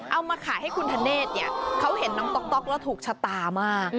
เอามาขายให้คุณธเนธเนี่ยเขาเห็นน้องต๊อกแล้วถูกชะตามาก